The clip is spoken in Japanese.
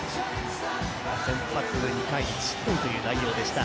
先発２回１失点という内容でした。